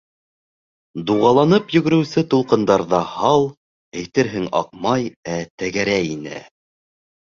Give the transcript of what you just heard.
Дуғаланып йүгереүсе тулҡындарҙа һал, әйтерһең, аҡмай, ә тәгәрәй ине.